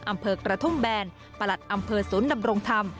อำเภอกระทุ่มแบนประหลัดอำเภอศูนย์ดำรงธรรม